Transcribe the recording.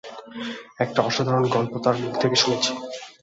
একটা অসাধারণ গল্প তাঁর মুখ থেকে শুনেছি।